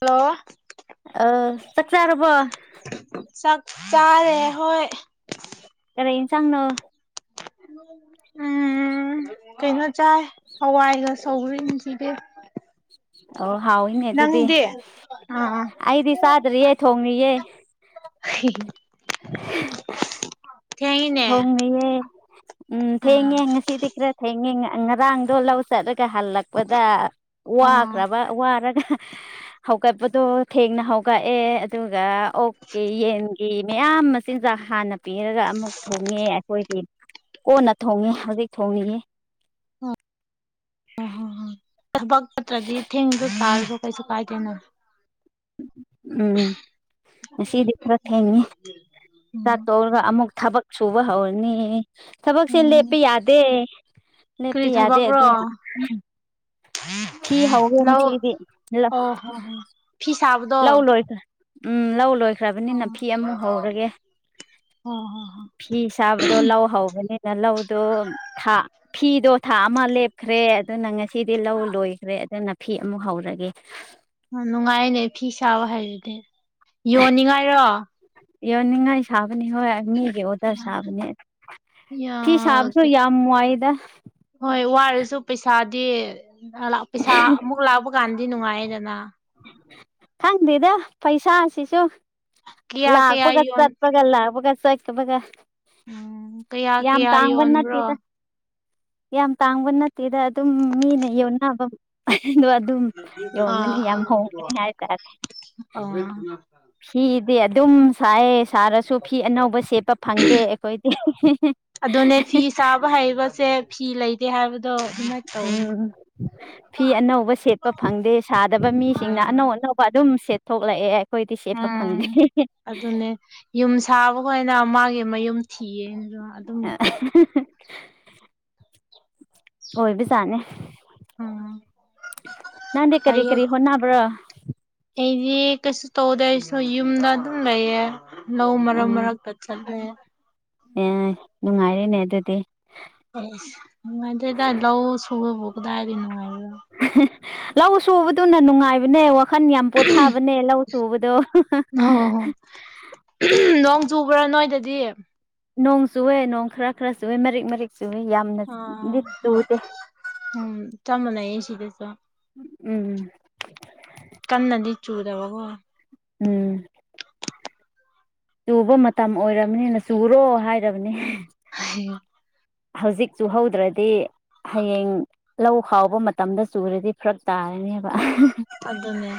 Hello ꯑ ꯆꯥꯛ ꯆꯥꯔꯕꯣ ꯆꯥꯛ ꯆꯥꯔꯦ ꯍꯣꯏ ꯑ ꯆꯪꯅꯣ ꯎꯝ [inaudible] ꯅ ꯆꯥꯏ ꯍꯋꯥꯏꯒ ꯁꯧꯔꯤꯁꯤꯗꯤ ꯑꯣ ꯍꯥꯎꯏꯤꯅꯦ ꯑꯗꯨꯗꯤ ꯅꯪꯗꯤ ꯑꯥ ꯑꯩꯗꯤ ꯆꯥꯗ꯭ꯔꯤꯌꯦꯦ ꯊꯣꯡꯉꯌꯦꯦ ꯍ [unintelligible] ꯊꯦꯡꯉꯤꯅꯦ ꯊꯣꯡꯅꯌꯦꯦ ꯎꯝ ꯑꯥ ꯊꯦꯡꯉꯦ ꯉꯁꯤꯗꯤ ꯈꯔ ꯊꯦꯡꯉꯦ ꯉꯔꯥꯡꯗꯣ ꯂꯧꯁꯤ ꯆꯠꯂꯒ ꯍꯜꯂꯛꯄꯗ ꯋꯥꯈ꯭ꯔꯕ ꯋꯥꯔꯒ ꯍꯧꯒꯠꯄꯗꯣ ꯊꯦꯡꯅ ꯍꯧꯒꯠꯑꯦ ꯑꯗꯨꯒ ꯑꯣꯛꯀꯤ ꯌꯦꯟꯒꯤ ꯃꯌꯥꯝ ꯃꯆꯤꯟꯖꯥꯛ ꯍꯥꯟꯅ ꯄꯤꯔꯒ ꯑꯃꯨꯛ ꯊꯣꯡꯉꯦ ꯑꯩꯈꯣꯏꯒꯤ ꯀꯣꯟꯅ ꯊꯣꯡꯉꯦ ꯍꯧꯖꯤꯛ ꯊꯣꯡꯅꯤꯡꯉ ꯑꯣ ꯍꯣ ꯍꯣ ꯊꯕꯛ ꯐꯠꯇ꯭ꯔꯗꯤ ꯊꯦꯡꯁꯨ ꯊꯥꯔꯁꯨ ꯀꯩꯁꯨ ꯀꯥꯏꯗꯦꯅ ꯎꯝ ꯁꯤꯗꯤ ꯄꯨ ꯊꯅꯤꯅꯦ ꯎꯝ ꯍꯧꯔꯒ ꯑꯃꯨꯛ ꯊꯕꯛ ꯁꯨꯕ ꯍꯧꯔꯅꯤ ꯊꯕꯛꯁꯦ ꯎꯝ ꯂꯦꯞꯄ ꯌꯥꯗꯦ ꯀꯔꯤ ꯅꯦꯞꯄꯤ ꯌꯥꯗꯦ ꯊꯕꯛꯔꯣ ꯑꯗꯨꯝ ꯎꯝ ꯐꯤ ꯍꯥꯎꯒꯅꯁꯤꯗꯤ ꯏꯂ ꯍ ꯍ [unintelligible] ꯐꯤꯁꯥꯕꯗ ꯂꯧ ꯂꯣꯣꯏ ꯎꯝ ꯂ ꯂꯧ ꯂꯣꯣꯏ ꯈ꯭ꯔꯕꯅꯤ ꯅꯥ ꯑꯣ ꯐꯤ ꯑꯃꯨꯛ ꯍꯧꯔꯒꯦ ꯍꯣ ꯍꯣ ꯍꯣ ꯐꯤ ꯁꯥꯕꯗꯣ ꯂꯧ ꯍꯧꯕꯅꯤꯅ ꯂꯧꯗꯣ ꯊꯥ ꯐꯤꯗꯣ ꯊꯥ ꯑꯃ ꯂꯦꯞꯈ꯭ꯔꯦ ꯑꯗꯨꯅ ꯉꯁꯤ ꯁꯤꯗꯤ ꯂꯧ ꯂꯣꯏꯈ꯭ꯔꯦ ꯑꯗꯨꯅ ꯐꯤ ꯑꯃꯨꯛ ꯍꯧꯔꯒꯦ ꯅꯨꯡꯉꯥꯏꯅꯦ ꯐꯤ ꯁꯥꯕ ꯍꯥꯏꯗꯨꯗꯤ ꯌꯣꯟꯅꯤꯡꯉꯥꯏꯔꯣ ꯌꯧꯅꯤꯡꯉꯥꯏ ꯁꯥꯕꯅꯤ ꯍꯣꯏ ꯃꯤ ꯑꯣꯗꯔ ꯁꯥꯕꯅꯦ ꯐꯤ ꯁꯥꯕꯁꯨ ꯌꯥꯝ ꯋꯥꯏꯗ ꯍꯣꯏ ꯋꯥꯔꯁꯨ ꯄꯩꯁꯥꯗꯤ ꯄꯩꯁꯥ ꯑꯃꯨꯛ ꯂꯥꯛꯄ ꯀꯥꯟꯗꯤ ꯅꯨꯡꯉꯥꯏꯌꯦꯗꯅ ꯈꯪꯗꯦꯗ ꯄꯩꯁꯥꯁꯤꯁꯨ ꯀꯌꯥ ꯀꯌꯥ ꯂꯥꯛꯄꯒ ꯌꯣꯟ ꯆꯠꯕꯒ ꯂꯥꯛꯄꯒꯁ ꯕ ꯎꯝ ꯀꯌꯥ ꯌꯥꯝ ꯀꯌꯥ ꯑꯃꯇ ꯑꯒ ꯌꯣꯟꯕ꯭ꯔꯣ ꯅꯠꯇ ꯌꯥꯝ ꯇꯥꯡꯕ ꯅꯠꯇꯦꯗ ꯑꯗꯨꯝ ꯃꯤꯅ ꯌꯣꯟꯅꯕ ꯗꯣ ꯑꯗꯨꯝ ꯑ ꯌꯣꯝꯃꯅꯤ ꯌꯥꯝ ꯍꯣꯡꯒꯅꯤ ꯍꯥꯏꯇꯥꯔꯦ ꯍ ꯏꯗꯤ ꯑꯗꯨꯝ ꯁꯥꯏ ꯁꯥꯔꯁꯨ ꯐꯤ ꯑꯅꯧꯕ ꯁꯦꯠꯄ ꯐꯪꯗꯦ ꯑꯩꯈꯣꯏꯗꯤ ꯄꯁꯦ ꯐꯤ ꯂꯩꯗ ꯍꯥꯏ ꯏ ꯎꯝ ꯐꯤ ꯑꯅꯧꯕ ꯁꯦꯠꯄ ꯐꯪꯗꯦ ꯁꯥꯗꯕ ꯃꯤꯁꯤꯡꯅ ꯑꯥ ꯑꯅꯧ ꯑꯅꯧꯕ ꯑꯗꯨꯝ ꯁꯦꯠꯊꯣꯛꯂꯛꯑꯦ ꯑꯩꯈꯣꯏꯗꯤ ꯁꯦꯠꯄ ꯎꯝ ꯐꯪꯗꯦ ꯑꯗꯨꯅꯦ ꯌꯨꯝ ꯁꯥꯕꯈꯩꯅ ꯃꯥꯒꯤ ꯃꯌꯨꯝ ꯊꯤꯌꯦ ꯑꯗꯨꯝ ꯑ [inaudible] ꯑꯣꯏꯕꯖꯥꯠꯅꯦ ꯎꯝ ꯅꯪꯗꯤ ꯀꯔꯤ ꯐꯩꯌꯦ ꯀꯔꯤ ꯍꯣꯠꯅꯕ꯭ꯔꯥ ꯑꯩꯗꯤ ꯀꯩꯁꯨ ꯇꯧꯗꯦ ꯑꯩꯁꯨ ꯌꯨꯝꯗ ꯑꯗꯨꯝ ꯂꯩꯌꯦ ꯂꯧ ꯃꯔꯛ ꯎꯝ ꯃꯔꯛꯇ ꯆꯠꯂꯦ ꯑꯦ ꯅꯨꯡꯉꯥꯏꯔꯦꯅꯦ ꯑꯗꯨꯗꯤ ꯑꯦꯁ ꯅꯨꯡꯉꯥꯏꯇ꯭ꯔꯦꯗ ꯂꯧ ꯁꯨꯕꯕꯨ ꯀꯗꯥꯏꯗꯗꯤ ꯅꯨꯡꯉꯥꯏꯕꯅꯣ ꯂꯧ ꯁꯨꯕꯗꯨꯅ ꯅꯨꯡꯉꯥꯏꯕꯅꯦ ꯋꯥ ꯈꯟ ꯌꯥꯝ ꯄꯣꯊꯥꯕꯅꯦ ꯂꯧ ꯁꯨꯕꯗꯣ ꯑꯣ ꯅꯣꯡ ꯆꯨꯕ꯭ꯔꯥ ꯅꯣꯏꯗꯗꯤ ꯅꯣꯡ ꯆꯨꯎꯌꯦ ꯅꯣꯡ ꯈꯔ ꯈꯔ ꯆꯨꯏꯌꯦ ꯃꯔꯤꯛ ꯃꯔꯤꯛ ꯆꯨꯏ ꯌꯥꯝꯅ ꯑꯥ ꯗꯤ ꯍꯣꯏ ꯆꯨꯗꯦ ꯎꯝ ꯆꯥꯝꯃ ꯂꯩꯌꯦ ꯁꯤꯗꯁꯨ ꯎꯝ ꯀꯟꯅꯗꯤ ꯆꯨꯗꯕꯒꯣ ꯎꯝ ꯆꯨꯕ ꯃꯇꯝ ꯑꯣꯏꯔꯕꯅꯤꯅ ꯆꯨꯔꯣ ꯍꯥꯏꯔꯕꯅꯤ ꯍꯥꯏ [inaudible] ꯍꯧꯖꯤꯛ ꯆꯨ ꯍꯧꯗ꯭ꯔꯗꯤ ꯍꯌꯦꯡ ꯂꯧ ꯈꯥꯎꯕ ꯃꯇꯝꯗ ꯆꯨꯔꯗꯤ ꯐꯔꯛ ꯇꯥꯔꯅꯦꯕ ꯑꯗꯨꯅꯦ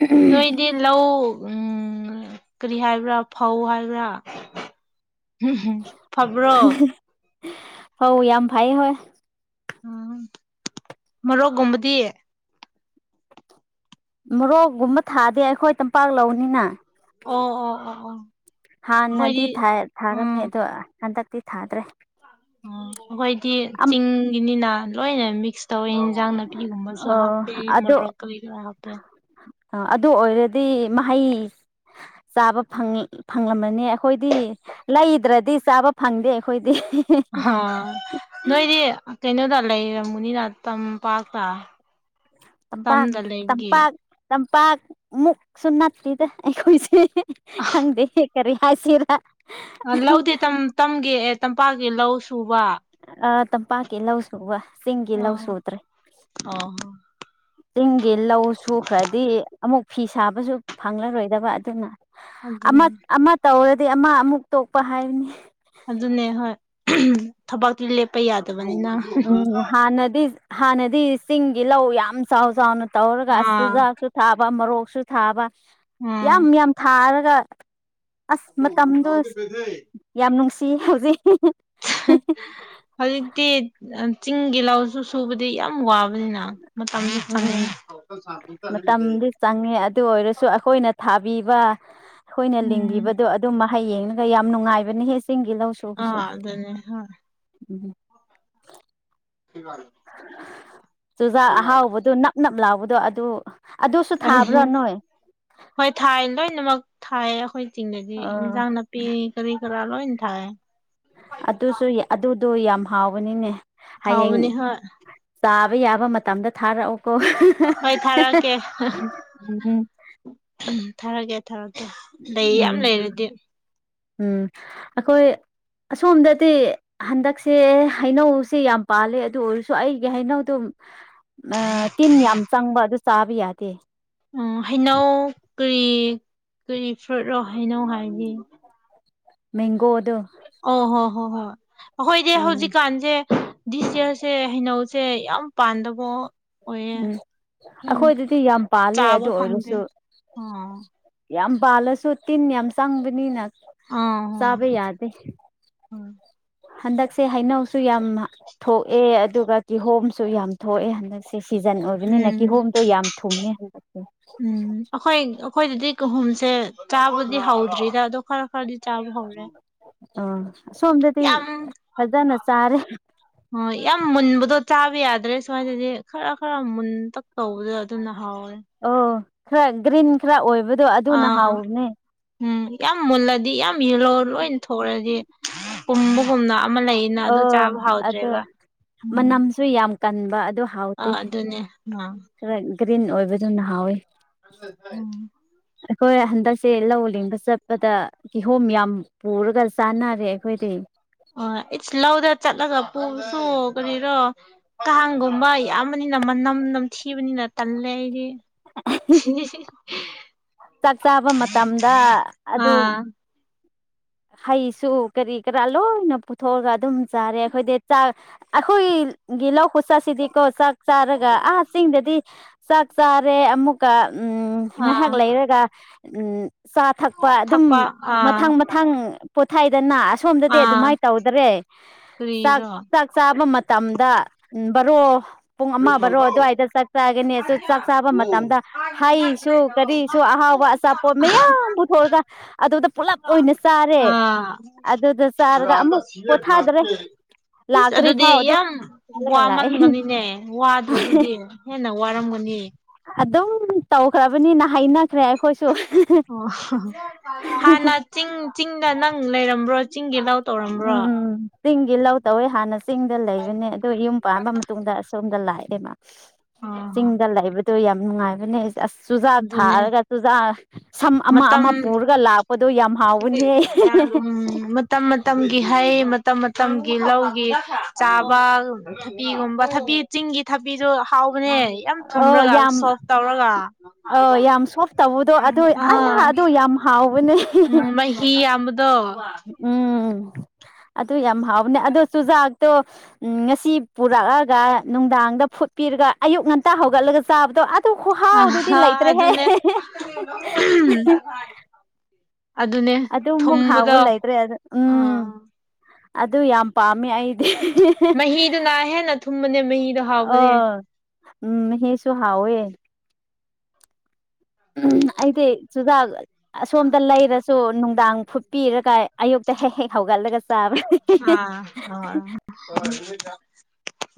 ꯎꯝ ꯅꯣꯏꯗꯤ ꯂꯧ ꯎꯝ ꯀꯔꯤ ꯍꯥꯏꯕ꯭ꯔꯥ ꯐꯧ ꯍꯥꯏꯕ꯭ꯔꯥ ꯍꯝꯝ [inaudible] ꯐꯧ ꯌꯥꯝ ꯐꯩꯌꯦ ꯍꯣꯏ ꯎꯝ ꯃꯔꯣꯛꯀꯨꯝꯕꯗꯤ ꯃꯣꯔꯣꯛꯒꯨꯝꯕ ꯊꯥꯗꯦ ꯑꯩꯈꯣꯏ ꯇꯝꯄꯥꯛ ꯂꯧꯅꯤꯅ ꯑꯣ ꯑꯣ ꯑꯣ ꯑꯣ ꯍꯥꯟꯅꯗꯤ ꯑꯩꯈꯣꯏꯗꯤ ꯊꯥꯔꯝꯃꯦ ꯎꯝ ꯑꯗꯣ ꯍꯟꯗꯛꯇꯤ ꯊꯥꯗ꯭ꯔꯦ ꯑꯣ ꯑꯩꯈꯣꯏꯗꯤ ꯆꯤꯡꯒꯤꯅꯤꯅ ꯂꯣꯏꯅ ꯃꯤꯛꯁ ꯇꯧ ꯏꯟꯖꯥꯡꯅꯄꯤꯒꯨꯝꯕꯁꯨ ꯍꯥꯞꯄꯦ ꯃꯔꯣꯛ ꯀꯔꯤ ꯀꯔꯥ ꯍꯥꯞꯄꯦ ꯑ ꯑꯗꯨ ꯑꯣꯏꯔꯗꯤ ꯃꯍꯩ ꯆꯥꯕ ꯐ ꯐꯪꯂꯝꯃꯅꯤ ꯑꯩꯈꯣꯏꯗꯤ ꯂꯩꯗ꯭ꯔꯗꯤ ꯆꯥꯕ ꯐꯪꯗꯦ ꯑꯩꯈꯣꯏꯗꯤ ꯑꯥ ꯅꯣꯏꯗꯤ ꯀꯩꯅꯣꯗ ꯂꯩꯔꯝꯃꯨꯅꯤꯅ ꯇꯝꯄꯥꯛꯇ ꯇꯝꯄꯥ ꯇꯝꯗ ꯂꯩꯕꯒꯤ ꯇꯝꯄꯥꯛ ꯇꯝꯄꯥꯛ ꯃꯨꯛꯁꯨ ꯅꯠꯇꯦꯗ ꯑꯩꯈꯣꯏꯁꯦ ꯈꯪꯗꯦ ꯀꯔꯤ ꯍꯥꯏꯁꯤꯔ ꯂꯧꯗꯦ ꯇꯝꯒꯦ ꯑꯦ ꯇꯝꯄꯥꯛꯒꯦ ꯂꯧ ꯁꯨꯕ ꯑ ꯇꯝꯄꯥꯛꯀꯤ ꯂꯧꯁꯤ ꯎꯕ ꯆꯤꯡꯒꯤ ꯂꯧꯁꯤ ꯑꯥ ꯎꯗ꯭ꯔꯦ ꯑꯣ ꯆꯤꯡꯒꯤ ꯂꯧ ꯁꯨꯈ꯭ꯔꯗꯤ ꯑꯃꯨꯛ ꯐꯤ ꯁꯥꯕꯁꯨ ꯐꯪꯂꯔꯣꯏꯗꯕ ꯑꯗꯨꯅ ꯑꯗꯨꯅꯦ ꯑꯃ ꯇꯧꯔꯗꯤ ꯑꯃ ꯑꯃꯨꯛ ꯇꯣꯛꯄ ꯍꯥꯏꯕꯅꯤ ꯑꯗꯨꯅꯦ ꯍꯣꯏ ꯊꯕꯛꯇꯤ ꯂꯦꯞꯄ ꯌꯥꯗꯕꯅꯤꯅ ꯎꯝ ꯍꯥꯟꯅꯗꯤ ꯍꯥꯟꯅꯗꯤ ꯆꯤꯡꯒꯤ ꯂꯧ ꯌꯥꯝ ꯆꯥꯎ ꯆꯥꯎꯅ ꯇꯧꯔꯒ ꯑꯥ ꯆꯨꯖꯥꯛꯁꯨ ꯊꯥꯕ ꯃꯣꯔꯣꯛꯁꯨ ꯊꯥꯕ ꯌꯥꯝ ꯎꯝ ꯌꯥꯝ ꯊꯥꯔꯒ ꯑꯁ ꯃꯇꯝꯗꯣ ꯌꯥꯝ ꯅꯨꯡꯁꯤ ꯍꯧꯖꯤꯛ ꯍꯧꯖꯤꯛꯇꯤ ꯆꯤꯡꯒꯤ ꯂꯥꯎꯁꯨ ꯁꯨꯕꯗꯤ ꯌꯥꯝ ꯋꯥꯕ ꯅꯤꯅ ꯃꯇꯝꯁꯨ ꯎꯝ ꯆꯪꯉꯦ ꯃꯇꯝꯗꯤ ꯆꯪꯉꯦ ꯑꯗꯨ ꯑꯣꯏꯔꯁꯨ ꯑꯩꯈꯣꯏꯅ ꯊꯥꯕꯤꯕ ꯑꯩꯈꯣꯏꯅ ꯎꯝ ꯂꯤꯡꯕꯤꯕꯗꯣ ꯑꯗꯨꯝ ꯃꯍꯩ ꯍꯌꯦꯡꯅꯒ ꯌꯥꯝ ꯅꯨꯡꯉꯥꯏꯕꯅꯦꯍꯦ ꯆꯤꯡꯒꯤ ꯂꯧ ꯁꯨꯕꯁꯨ ꯑꯥ ꯑꯗꯨꯅꯦ ꯍꯣꯏ ꯎꯝ [unintelligible] ꯆꯨꯖꯥꯛ ꯑꯍꯥꯎꯕꯗꯣ ꯅꯞ ꯅꯞ ꯂꯥꯎꯕꯗꯣ ꯑꯗꯨ ꯑꯗꯨꯁꯨ ꯊꯥꯕ꯭ꯔꯥ ꯅꯣꯏ ꯍꯣꯏ ꯊꯥꯏ ꯂꯣꯏꯅꯃꯛ ꯊꯥꯏ ꯑꯩꯈꯣꯏ ꯆꯤꯡꯗꯗꯤ ꯑꯥ ꯏꯟꯁꯥꯡ ꯅꯥꯄꯤ ꯄꯄꯤ ꯀꯔꯤ ꯀꯔ ꯂꯣꯏ ꯊꯥꯏ ꯑꯗꯨꯁꯨ ꯑꯗꯨꯗꯣ ꯌꯥꯝ ꯍꯥꯎꯕꯅꯤꯅꯦ ꯍꯌꯦꯡ ꯍꯥꯎꯕꯅꯤ ꯍꯣꯏ ꯆꯥꯕ ꯌꯥꯕ ꯃꯇꯝꯗ ꯊꯥꯔꯛꯑꯣꯀꯣ ꯍꯣꯏ ꯎꯝ ꯊꯥꯔꯛꯒꯦ ꯊꯥꯔꯛꯀꯦ ꯂꯩ ꯌꯥꯝ ꯎꯝ ꯂꯩꯔꯗꯤ ꯎꯝ ꯑꯩꯈꯣꯏ ꯑꯁꯣꯝꯗꯗꯤ ꯍꯟꯗꯛꯁꯦ ꯍꯩꯅꯧꯁꯦ ꯌꯥꯝ ꯄꯥꯜꯂꯦ ꯑꯗꯨ ꯑꯣꯏꯔꯁꯨ ꯑꯩꯒꯤ ꯍꯩꯅꯧꯗꯨ ꯇꯤꯟ ꯌꯥꯝ ꯆꯪꯕ ꯑꯗꯨ ꯆꯥꯕ ꯌꯥꯗꯦ ꯎ ꯍꯩꯅꯧ ꯀꯔꯤ ꯀꯔꯤ ꯐꯨꯔꯨꯠꯓꯣ ꯍꯩꯅꯧ ꯍꯥꯏꯗꯤ ꯃꯦꯡꯒꯣ ꯑꯗꯣ ꯑꯣ ꯍꯣ ꯍꯣ ꯍꯣꯏ ꯑꯩꯈꯣꯏꯗꯤ ꯎꯝ ꯍꯧꯖꯤꯛꯀꯥꯟꯁꯦ ꯗꯤꯁ ꯌꯌꯥꯔꯁꯦ ꯍꯩꯅꯧꯁꯦ ꯌꯥꯝ ꯄꯥꯟꯗꯕꯣ ꯎꯝ ꯑꯩꯈꯣꯏꯗꯗꯤ ꯌꯥꯝ ꯄꯥꯜꯂꯦ ꯆꯥꯕ ꯑꯗꯨ ꯐꯪꯗꯦ ꯑꯣꯏꯔꯁꯨ ꯑꯥ ꯌꯥꯝ ꯄꯥꯜꯂꯁꯨ ꯇꯤꯟ ꯌꯥꯝ ꯆꯪꯕꯅꯤꯅ ꯑꯥ ꯍꯣꯏ ꯆꯥꯕ ꯌꯥꯗꯦ ꯍꯣꯏ ꯍꯟꯗꯛꯁꯦ ꯍꯩꯅꯧꯁꯨ ꯌꯥꯝ ꯊꯣꯛꯑꯦ ꯑꯗꯨꯒ ꯀꯤꯍꯣꯝꯁꯨ ꯌꯥꯝ ꯊꯣꯛꯑꯦ ꯍꯟꯗꯛꯁꯦ ꯁꯦ ꯁꯤꯖꯟ ꯑꯣꯏꯕꯅꯤꯅ ꯎꯝ ꯀꯤꯍꯣꯝꯗꯣ ꯌꯥꯝ ꯊꯨꯝꯃꯦ ꯍꯜꯂꯛꯁꯦ ꯎꯝ ꯑꯩꯈꯣꯏ ꯑꯩꯈꯣꯏꯗꯗꯤ ꯀꯍꯨꯝꯁꯦ ꯆꯥꯕꯗꯤ ꯍꯧꯗ꯭ꯔꯤꯗ ꯑꯗꯣ ꯈꯔ ꯈꯔꯗꯤ ꯆꯥꯕ ꯍꯧꯔꯦ ꯑꯥ ꯁꯣꯝꯗꯗꯤ ꯌꯥꯝ ꯐꯖꯅ ꯆꯥꯔꯦ ꯍꯣꯏ ꯌꯥꯝ ꯃꯨꯟꯕꯗꯣ ꯆꯥꯕ ꯌꯥꯗ꯭ꯔꯦ ꯁꯨꯃꯥꯏꯗꯗꯤ ꯈꯔ ꯈꯔ ꯃꯨꯟꯇꯛ ꯇꯧꯕꯗ ꯑꯗꯨꯅ ꯍꯥꯎꯋꯦ ꯑꯣ ꯈꯔ ꯒ꯭ꯔꯤꯟ ꯈꯔ ꯑꯣꯏꯕꯗꯣ ꯑꯗꯨꯅ ꯑꯥ ꯍꯥꯎꯕꯅꯦ ꯎꯝ ꯌꯥꯝ ꯃꯨꯜꯂꯗꯤ ꯌꯥꯝ ꯌꯦꯜꯂꯣ ꯂꯣꯏꯅ ꯊꯣꯛꯂꯗꯤ ꯄꯨꯝꯕꯒꯨꯝꯅ ꯑꯃ ꯂꯩꯌꯦꯅ ꯑꯣ ꯆꯥꯕ ꯍꯥꯎꯗ꯭ꯔꯦꯕ ꯎꯝ ꯀꯔꯤ ꯌꯥꯝ ꯀꯟꯕ ꯑꯗꯨ ꯍꯥꯎ ꯑ ꯑꯗꯨꯅꯦ ꯈꯔ ꯒ꯭ꯔꯤꯟ ꯑꯣꯏꯕꯗꯨꯅ ꯍꯥꯎꯋꯤ ꯎꯝ ꯑꯩꯈꯣꯏ ꯍꯟꯗꯛꯁꯦ ꯂꯧ ꯂꯤꯡꯕ ꯆꯠꯄꯗ ꯀꯤꯍꯣꯝ ꯌꯥꯝ ꯄꯨꯔꯒ ꯆꯥꯟꯅꯔꯦ ꯑꯩꯈꯣꯏꯗꯤ ꯑꯣ ꯏꯠꯁ ꯂꯧꯗ ꯆꯠꯂꯒ ꯄꯨꯕꯁꯨ ꯀꯔꯤꯔꯣ ꯀꯥꯡꯒꯨꯝꯕ ꯌꯥꯝ [unintelligible] ꯃꯅꯝ ꯅꯝꯊꯤꯕꯅꯤꯅ ꯇꯜꯂꯦ ꯑꯩꯗꯤ ꯆꯥꯛ ꯆꯥꯕ ꯃꯇꯝꯗ ꯑꯗꯨ ꯑꯥ ꯍꯩꯁꯨ ꯀꯔꯤ ꯀꯔꯥ ꯂꯣꯏꯅ ꯄꯨꯊꯣꯛꯑꯒ ꯑꯗꯨꯝ ꯆꯥꯔꯦ ꯑꯩꯈꯣꯏꯗꯤ ꯆꯥꯛ ꯑꯩꯈꯣꯏ ꯒꯤ ꯂꯧ ꯈꯨꯠ ꯆꯥꯁꯤꯗꯤꯀꯣ ꯆꯥꯛ ꯆꯥꯔꯒ ꯑꯥ ꯆꯁꯤꯡꯗꯗꯤ ꯆꯥꯛ ꯆꯥꯔꯦ ꯑꯃꯨꯛ ꯎ ꯉꯥꯏꯍꯥꯛ ꯑꯥ ꯂꯩꯔꯒ ꯎ ꯆꯥ ꯊꯛꯄ ꯑꯗꯨꯝ ꯃꯊꯪ ꯊꯪ ꯄꯣꯊꯥꯏꯗꯅ ꯑꯁꯣꯝꯗꯗꯤ ꯑꯥ ꯑꯗꯨꯃꯥꯏꯅ ꯇꯧꯗꯔꯦ ꯀꯔꯤꯔꯣ ꯆꯥꯛ ꯆꯥꯕ ꯃꯇꯝꯗ ꯕꯔꯣ ꯄꯨꯡ ꯑꯃ ꯕꯥꯔꯣ ꯑꯗꯨꯋꯥꯏꯗ ꯆꯥꯛ ꯆꯥꯒꯅꯤ ꯆꯥꯛ ꯆꯥꯕ ꯃꯇꯝꯗ ꯍꯩꯁꯨ ꯀꯔꯤꯁꯨ ꯑꯍꯥꯎꯕ ꯑꯆꯥꯄꯣꯠ ꯃꯌꯥꯝ ꯄꯨꯊꯣꯛꯔꯒ ꯑꯗꯨꯗ ꯄꯨꯜꯂꯞ ꯑꯣꯏꯅ ꯆꯥꯔꯦ ꯑꯥ ꯑꯗꯨꯗ ꯆꯥꯔꯒ ꯑꯃꯨꯛ ꯄꯣꯊꯥꯗꯔꯦ ꯂꯥꯛ ꯏꯁ ꯑꯗꯨꯗꯤ ꯇꯔꯤꯐꯥꯎ ꯌꯥꯝ ꯑꯗꯨꯒꯂꯑ ꯋꯥꯃꯟꯒꯅꯤꯅꯦ ꯋꯥꯗ꯭ꯔꯣ ꯑꯗꯨꯗꯤ ꯍꯦꯟꯅ ꯋꯥꯔꯝꯒꯅꯤ ꯑꯗꯨꯝ ꯇꯧꯈ꯭ꯔꯕꯅꯤꯅ ꯍꯩꯅꯈ꯭ꯔꯦ ꯑꯩꯈꯣꯏꯁꯨ ꯑꯣ ꯍꯥꯟꯅ ꯆꯤꯡ ꯆꯤꯡꯗ ꯅꯪ ꯂꯩꯔꯝꯕ꯭ꯔꯣ ꯆꯤꯡꯒꯤ ꯂꯧ ꯇꯧꯔꯝꯕ꯭ꯔꯥ ꯎꯝ ꯆꯤꯡꯒꯤ ꯂꯧ ꯇꯧꯋꯦ ꯍꯥꯟꯅ ꯆꯤꯡꯗ ꯂꯩꯕꯅꯦ ꯑꯣ ꯌꯨꯝ ꯄꯥꯝꯕ ꯃꯇꯨꯡꯗ ꯑꯁꯣꯝꯗ ꯂꯥꯛꯑꯦꯃ ꯑꯣ ꯆꯤꯡꯗ ꯂꯩꯕꯗꯣ ꯌꯥꯝ ꯅꯨꯡꯉꯥꯏꯕꯅꯦ ꯑꯁ ꯆꯨꯖꯥꯛ ꯑꯗꯨꯅꯦ ꯊꯥꯔꯒ ꯆꯨꯖꯥꯛ ꯁꯝ ꯑꯃ ꯃꯇꯝ ꯑꯃ ꯄꯨꯔꯒ ꯂꯥꯛꯄꯗꯣ ꯌꯥꯝ ꯍꯥꯎꯕꯅꯦꯍꯦ ꯎꯝ ꯃꯇꯝ ꯃꯇꯝꯒꯤ ꯍꯩ ꯃꯇꯝ ꯃꯇꯝꯒꯤ ꯂꯧꯒꯤ ꯆꯥꯕ ꯊꯕꯤꯒꯨꯝꯕ ꯊꯕꯤ ꯆꯤꯡꯒꯤ ꯊꯕꯤꯁꯨ ꯍꯥꯎꯕꯅꯦ ꯌꯥꯝ ꯊꯨꯝꯔꯒ ꯁꯣꯐ ꯇꯧꯔꯒ ꯑ ꯌꯥꯝ ꯁꯣꯐ ꯇꯧꯕꯗꯣ ꯑꯗꯨ ꯑꯥ ꯑꯗꯨ ꯌꯥꯝ ꯍꯥꯎꯕꯅꯦ ꯎꯝ ꯃꯍꯤ ꯌꯥꯝꯕꯗꯣ ꯎꯝ ꯑꯗꯨ ꯌꯥꯝ ꯍꯥꯎꯅꯦ ꯑꯗꯣ ꯆꯨꯖꯥꯛꯇꯣ ꯎ ꯉꯁꯤ ꯄꯨꯔꯛꯑꯒ ꯅꯨꯡꯗꯥꯡꯗ ꯐꯨꯠꯄꯤꯔꯒ ꯑꯌꯨꯛ ꯉꯟꯇꯥ ꯍꯧꯒꯠꯂꯒ ꯆꯥꯕꯗꯣ ꯑꯁ ꯑꯗꯨ ꯈꯨꯍꯥꯎꯗꯨꯗꯤ ꯑꯍꯥ ꯂꯩꯇ꯭ꯔꯦꯍꯦ ꯑꯗꯨꯅꯦ ꯑꯗꯨꯅꯦ ꯑꯗꯨꯃꯨꯛ ꯍꯥꯎꯕ ꯊꯨꯝꯕꯗꯣ ꯂꯩꯇ꯭ꯔꯦ ꯎꯝ ꯑꯗꯨ ꯌꯥꯝ ꯄꯥꯝꯃꯤ ꯑꯩꯗꯤ ꯃꯍꯤꯗꯨꯅ ꯍꯦꯟꯅ ꯊꯨꯝꯕꯅꯦ ꯃꯍꯤꯗꯨ ꯑꯣ ꯍꯥꯎꯕꯅꯦ ꯎꯝ ꯍꯁꯨ ꯍꯥꯎꯋꯦ ꯎꯝ ꯑꯩꯗꯤ ꯆꯨꯖꯥꯛ ꯑꯁꯣꯝꯗ ꯂꯩꯔꯁꯨ ꯅꯨꯡꯗꯥꯡ ꯐꯨ ꯄꯤꯔꯒ ꯑꯌꯨꯛꯇ ꯍꯦꯛ ꯍꯦꯛ ꯍꯧꯒꯠꯂꯒ ꯆꯥꯕ꯭ꯔ ꯑ ꯑ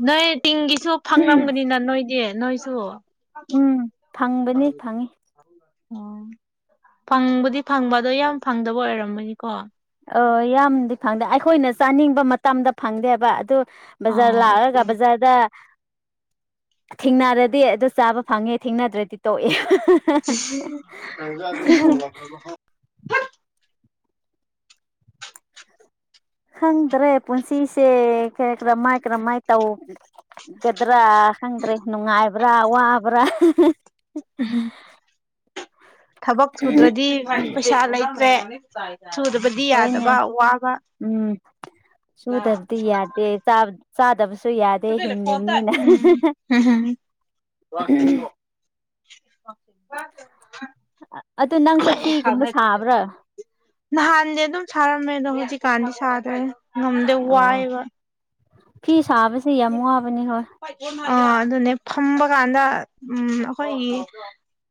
ꯅꯣꯏ ꯇꯤꯁꯨ ꯐꯪꯅꯝꯒꯅꯤꯅ ꯅꯣꯏꯗꯤ ꯅꯣꯏꯁꯨ ꯎꯝ ꯐꯪꯕꯅꯤ ꯐꯪꯉꯤ ꯑꯣ ꯐꯪꯕꯨꯗꯤ ꯐꯪꯕ ꯑꯗꯣ ꯌꯥꯝ ꯐꯪꯗꯕ ꯑꯣꯏꯔꯝꯃꯅꯤꯀꯣ ꯑ ꯌꯥꯝꯗꯤ ꯐꯪꯗꯦ ꯑꯩꯈꯣꯏꯅ ꯆꯥꯅꯤꯡꯕ ꯃꯇꯝꯗ ꯐꯪꯗꯦꯕ ꯑꯗꯨ ꯕꯖꯥꯔ ꯑꯥ ꯂꯥꯛꯂꯒ ꯕꯖꯥꯔꯗ ꯊꯦꯡꯅꯔꯗꯤ ꯑꯗꯨ ꯆꯥꯕ ꯐꯪꯉꯦ ꯊꯦꯡꯅꯗ꯭ꯔꯗꯤ ꯇꯣꯛꯑꯦ ꯑꯖ ꯂ ꯈꯪꯗ꯭ꯔꯦ ꯄꯨꯟꯁꯤꯁꯦ ꯈꯔ ꯀꯔ ꯃꯥꯏ ꯀꯔ ꯃꯥꯏ ꯇꯧ ꯒꯗ꯭ꯔꯥ ꯈꯪꯗ꯭ꯔꯦ ꯅꯨꯡꯉꯥꯏꯕ꯭ꯔꯥ ꯋꯥꯕ꯭ꯔꯥ ꯎꯝ ꯊꯕꯛ ꯁꯨꯗ꯭ꯔꯗꯤ ꯄꯩꯁꯥ ꯂꯩꯇ꯭ꯔꯦ ꯁꯨꯗ꯭ꯔꯕꯗꯤ ꯍꯣꯏꯅꯦ ꯎꯝ ꯁꯨꯗꯕꯗꯤ ꯌꯥꯗꯦ ꯆꯥꯗꯕꯁꯨ ꯌꯥꯗꯦ ꯍꯤꯡꯗꯕꯅꯤꯅ ꯎꯝ ꯍꯝ ꯍꯝ ꯑꯗꯨ ꯅꯪꯁꯨ ꯐꯤꯒꯨꯝꯕ ꯃꯦ ꯁꯥꯕ꯭ꯔꯥ ꯅꯍꯥꯟꯗꯤ ꯑꯗꯨꯝ ꯁꯥꯔꯝꯃꯦ ꯑꯗꯣ ꯍꯧꯖꯤꯛꯀꯥꯟꯗꯤ ꯁꯥꯗ꯭ꯔꯦ ꯉꯝꯗꯦ ꯑꯣ ꯋꯥꯏꯑꯦꯕ ꯐꯤ ꯁꯥꯕꯁꯦ ꯌꯥꯝ ꯋꯥꯕꯅꯤ ꯍꯣꯏ ꯑ ꯑꯗꯨꯅꯦ ꯐꯝꯕ ꯀꯥꯟꯗ ꯎꯝ ꯑꯩꯈꯣꯏꯒꯤ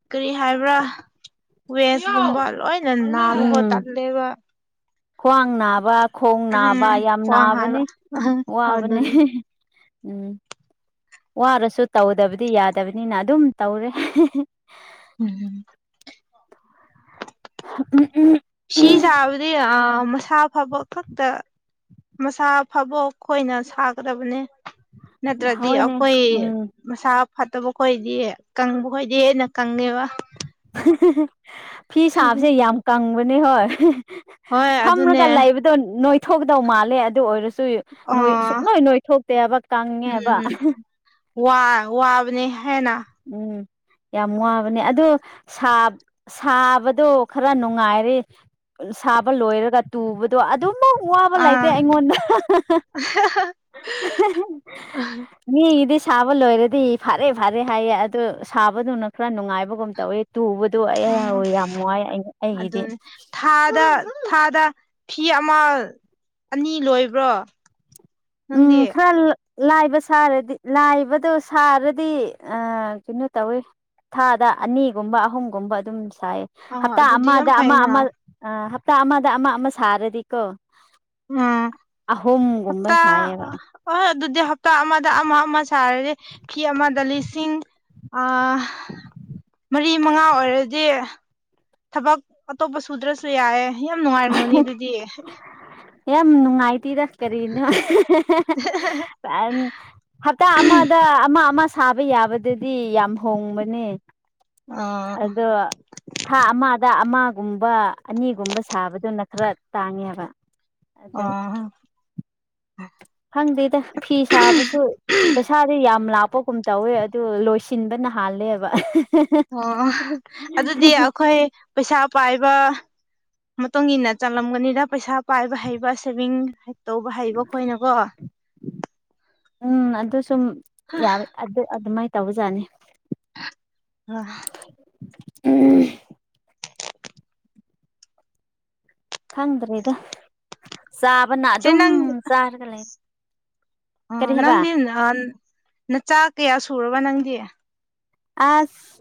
ꯀꯔꯤ ꯍꯥꯏꯕ꯭ꯔꯥ ꯋꯦꯁꯀꯨꯝꯕ ꯂꯣꯏ ꯎꯝ ꯇꯗꯦꯕ ꯈ꯭ꯋꯥꯡ ꯅꯥꯕ ꯈꯣꯡ ꯅꯥꯕ ꯎꯝ ꯌꯥꯝ ꯈ꯭ꯋꯥꯡ ꯅꯥꯕꯅꯤ ꯍꯥꯏꯕ ꯋꯥꯕꯅꯤ ꯑꯗꯨꯅꯤ ꯎꯝ ꯋꯥꯔꯁꯨ ꯇꯧꯗꯕꯗꯤ ꯌꯥꯗꯕꯅꯤꯅ ꯑꯗꯨꯝ ꯇꯧꯔꯦ ꯎꯝ ꯎꯝ ꯎꯝ ꯁꯤ ꯁꯥꯕꯗꯤ ꯑ ꯃꯁꯥ ꯐꯕ ꯈꯛꯇ ꯃꯁꯥ ꯐꯕꯣꯛ ꯑꯩꯣꯏꯅ ꯁꯥꯒꯗꯕꯅꯦ ꯅꯠꯇ꯭ꯔꯗꯤ ꯍꯣꯏꯅꯦ ꯑꯩꯈꯣꯏ ꯎꯝ ꯃꯁꯥ ꯐꯠꯇꯕ ꯈꯣꯏꯗꯤ ꯀꯪꯕ ꯈꯣꯏꯗꯤ ꯍꯦꯟꯅ ꯀꯪꯉꯦꯕ ꯐꯤ ꯁꯥꯕꯁꯦ ꯌꯥꯝ ꯀꯪꯕꯅꯦ ꯍꯣꯏ ꯍꯣꯏ ꯑꯗꯨꯅꯦ ꯐꯝꯔꯒ ꯂꯩꯕꯗꯣ ꯅꯣꯏꯊꯣꯛꯗꯧ ꯃꯥꯜꯂꯦ ꯑꯗꯨ ꯑꯣꯏꯔꯁꯨ ꯗꯨꯏ ꯑ ꯅꫭꯏ ꯁꯨꯛ ꯅꯣꯏꯊꯣꯛꯇꯦꯕ ꯀꯪꯉꯦꯕ꯫ ꯎꯝ ꯋꯥ ꯋꯥꯕꯅꯤ ꯍ‌ꯦꯟꯅ꯫ ꯎꯝ ꯌꯥꯝ ꯋꯥꯕꯅꯦ ꯑꯗꫭ ꯁꯥ꯫ ꯁꯥꯕꯗꯣ ꯈꯔ ꯅꯨꯡꯉꯥꯏꯔꯦ ꯁꯥꯕ ꯂꯣꯏꯔꯒ ꯇꯨꯕꯗꯣ ꯑꯗꯨꯝ꯫ ꯑꯗꯨꯛ ꯋꯥꯕ ꯂꯩꯇꯦ ꯑꯥ ꯑꯩꯉꯣꯟꯗ꯫ ꯃꯤꯒꯤꯗꯤ ꯁꯥꯕ ꯂꯣꯏꯔꯗꯤ ꯐꯔꯦ ꯐꯔꯦ ꯍꯥꯏꯌꯦ ꯑꯗꯨ ꯁꯥꯕꯗꯨꯅ ꯈꯔ ꯅꯨꯡꯉꯥꯏꯕꯒꯨꯝ ꯇꯧꯋꯤ꯫ ꯇꯨꯕꯗꯨ ꯎꯝ ꯑꯩꯋꯤ ꯌꯥꯝ ꯅꯨꯡꯉꯥꯏ ꯑꯩꯒꯤꯗꯤ꯫ ꯑꯗꯨꯅꯦ ꯊꯥꯗ ꯊꯥꯗ ꯐꯤ ꯑꯃ꯫ ꯑꯅꯤ ꯂꯣꯏꯕ꯭ꯔꯣ꯫ ꯅꯪꯗꯤ ꯎꯝ ꯈꯔ꯫ ꯂꯥꯏꯕ ꯁꯥꯔꯗꯤ ꯂꯥꯏꯕꯗꯣ ꯁꯥꯔꯗꯤ ꯑ ꯀꯩꯅꯣ ꯇꯧꯋꯦ ꯊꯥꯗ ꯑꯅꯤꯒꯨꯝꯕ ꯑꯍꯨꯝꯒꯨꯝꯕ ꯑꯗꯨꯝ ꯁꯥꯏ ꯑꯥ ꯍꯞꯇꯥ ꯑꯗꯨꯗꯤ ꯌꯥꯝ ꯑꯃꯗ ꯑꯃ ꯐꯩꯅ ꯑꯃ ꯑꯥ ꯍꯞꯇꯥ ꯑꯃꯗ ꯑꯃ ꯑꯃ ꯁꯥꯔꯗꯤꯀꯣ ꯎꯝ ꯑꯍꯨꯝꯒꯨꯝꯕ ꯍꯞꯠꯇ ꯁꯥꯏꯌꯦꯕ ꯍꯍꯣꯏ ꯑꯗꯨꯗꯤ ꯍꯞꯇꯥ ꯑꯃꯗ ꯑꯃ ꯑꯃ ꯁꯥꯔꯦ ꯐ ꯑꯃꯗ ꯂꯤꯁꯤꯡ ꯑꯥ ꯃꯔꯤ ꯃꯉꯥ ꯑꯣꯏꯔꯗꯤ ꯊꯕꯛ ꯑꯇꯣꯞꯄ ꯁꯨꯗ꯭ꯔꯁꯨ ꯌꯥꯏꯦ ꯌꯥꯝ ꯅꯨꯡꯉꯥꯏꯔꯝꯃꯣꯅꯦ ꯑꯗꯨꯗꯤ ꯌꯥꯝ ꯅꯨꯡꯉꯥꯏꯇꯦꯔ ꯀꯔꯤꯅꯣ ꯍꯞꯇꯥ ꯑꯃꯗ ꯑꯃ ꯑꯃ ꯁꯥꯕ ꯌꯥꯕꯗꯗꯤ ꯌꯥꯝ ꯍꯣꯡꯕꯅꯦ ꯑꯥ ꯑꯗꯣ ꯊꯥ ꯑꯃꯗ ꯑꯃꯒꯨꯝꯕ ꯑꯅꯤꯒꯨꯝꯕ ꯁꯥꯕ꯫ ꯑꯗꯨꯅ ꯈꯔ ꯇꯥꯡꯉꯦꯕ꯫ ꯑꯗꯨ ꯑꯥ꯫ ꯈꯪꯗꯦꯗ ꯐꯤ ꯁꯥꯕꯁꯨ꯫ ꯄꯩꯁꯥꯗꯤ ꯌꯥꯝ ꯂꯥꯞꯄꯒꯨꯝ ꯇꯧꯋꯦ ꯑꯗꯨ ꯂꯣꯏꯁꯤꯟꯕꯅ ꯍꯥꯜꯂꯦꯕ꯫ ꯑꯣ ꯑꯗꯨꯗꯤ ꯑꯈꯣꯏ ꯄꯩꯁꯥ ꯄꯥꯏꯕ꯫ ꯃꯇꯨꯡ ꯏꯟꯅ ꯆꯜꯂꯝꯒꯅꯤꯗ ꯄꯩꯁꯥ ꯄꯥꯏꯕ ꯍꯩꯕ ꯁꯦꯚꯤꯡ꯫ ꯇꯧꯕ ꯍꯩꯕ ꯈꯣꯏꯅꯀꯣ꯫ ꯎꯝ ꯑꯗꯨ ꯁꯨꯝ ꯌꯥꯕ ꯑꯗꯨ ꯑꯗꯨꯃꯥꯏꯅ ꯇꯧꯕꯖꯥꯠꯅꯤ꯫ ꯑꯥ꯫ ꯈꯪꯗ꯭ꯔ‌ꯦꯗ ꯆꯥꯕꯅ ꯏꯆꯦ ꯑꯗꯨꯝ ꯅꯪ ꯆꯥꯔꯒ ꯂꯩ꯫ ꯑꯥ ꯀꯔꯤ ꯍꯥꯏꯕ ꯅꯪꯗꯤ ꯅꯍꯥꯟ ꯅꯆꯥ ꯀꯌꯥ ꯁꯨꯔꯕ ꯅꯪꯗꯤ꯫ ꯑꯁ꯫